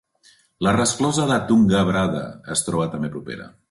La resclosa de Tungabhadra es troba també propera.